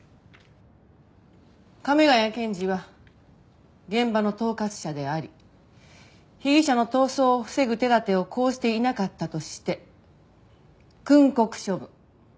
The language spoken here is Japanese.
亀ヶ谷検事は現場の統括者であり被疑者の逃走を防ぐ手立てを講じていなかったとして訓告処分。